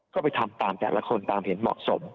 ก็ไปทำตามแต่ละคนตามเห็นเหมาะสม